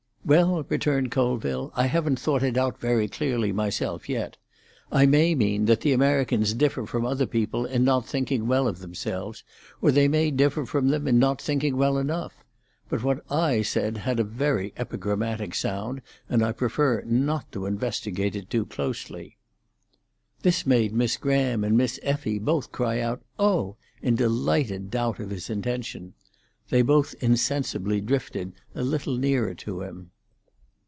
"Well," returned Colville, "I haven't thought it out very clearly myself yet. I may mean that the Americans differ from other people in not thinking well of themselves, or they may differ from them in not thinking well enough. But what I said had a very epigrammatic sound, and I prefer not to investigate it too closely." This made Miss Graham and Miss Effie both cry out "Oh!" in delighted doubt of his intention. They both insensibly drifted a little nearer to him.